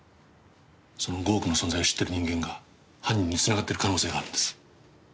その５億の存在を知ってる人間が犯人につながってる可能性があるんです。